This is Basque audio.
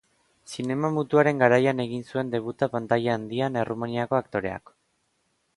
Zinema mutuaren garaian egin zuen debuta pantaila handian Errumaniako aktoreak.